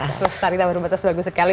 terus tadi tak berbatas bagus sekali